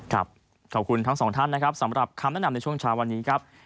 ขอบคุณทั้งสองท่านนะครับสำหรับคำแนะนำในช่วงเช้าวันนี้ครับ